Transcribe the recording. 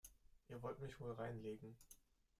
Ihr wollt mich wohl reinlegen?